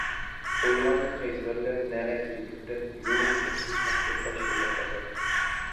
ئويغاندى قەيسەرلەر نەرە-زىكىردىن، يورۇقلۇق زۇلمەتكە باشلىدى غازات.